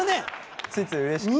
ついついうれしくて。